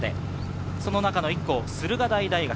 その中の１校、駿河台大学。